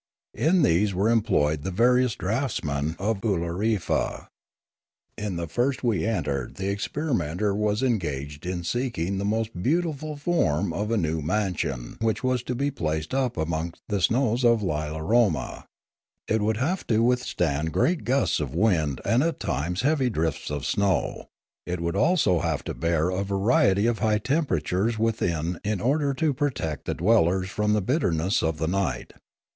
In these were employed the various draughtsmen of Oolorefa. In the first we entered the experimenter was engaged in seeking the most beautiful form for a new mansion which was to be placed up amongst the snows of Lilaroma; it would have to withstand great gusts of wind and at times heavy drifts of snow; it would also have to bear a variety of high temperatures within in order to protect the dwellers from the bitterness of the night.